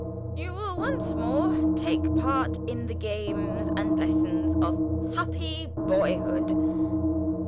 You will once more take part in the games and lessons of happy boyhood.